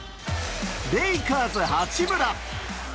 レイカーズ・八村。